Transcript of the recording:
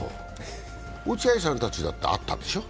落合さんたちだって、あったんでしょ？